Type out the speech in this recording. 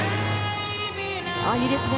いいですね